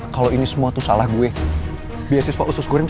kalo ini semua tuh salah gue